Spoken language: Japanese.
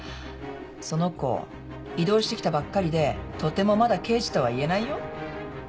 その子異動してきたばっかりでとてもまだ刑事とは言えないよ。